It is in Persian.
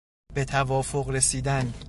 به توافق رسیدن